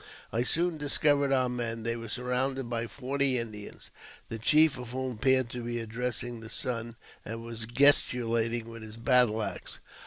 I soon discovered ou men; they were surrounded by forty Indians, the chief ol whom appeared to be addressing the sun, and was gesticulatiuj with his battle axe.